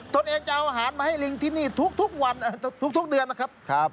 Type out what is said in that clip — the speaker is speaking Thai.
ตัวเองจะเอาอาหารมาให้ลิงที่นี่ทุกวันทุกเดือนนะครับ